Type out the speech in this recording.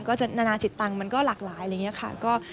นานาจิตตังค์มันก็หลากหลายอะไรอย่างนี้ค่ะ